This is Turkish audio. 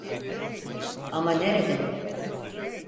Ama nerede?